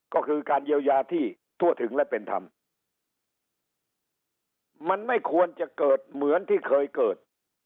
ก็คือการเยียวยาที่ทั่วถึงและเป็นธรรมมันไม่ควรจะเกิดเหมือนที่เคยเกิด